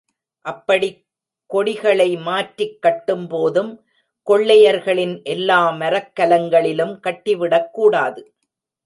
அப்படிக் கொடிகளை மாற்றிக் கட்டும்போதும் கொள்ளையர்களின் எல்லாமரக்கலங்களிலும் கட்டிவிடக்கூடாது.